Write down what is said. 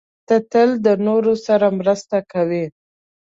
ته تل د نورو سره مرسته کوې.